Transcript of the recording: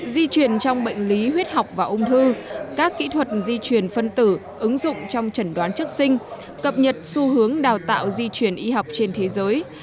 di truyền trong bệnh lý huyết học và ung thư các kỹ thuật di truyền phân tử ứng dụng trong trần đoán chất sinh cập nhật xu hướng đào tạo di truyền y học trên thế giới